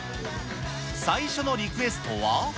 最初のリクエストは。